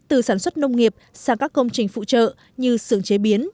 từ sản xuất nông nghiệp sang các công trình phụ trợ như xưởng chế biến